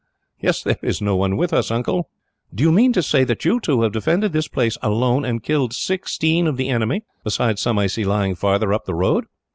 "Yes; there is no one with us, Uncle." "Do you mean to say that you two have defended this place alone, and killed sixteen of the enemy, besides some I see lying farther up the road?"